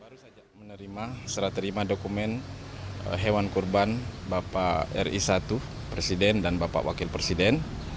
baru saja menerima serah terima dokumen hewan kurban bapak ri satu presiden dan bapak wakil presiden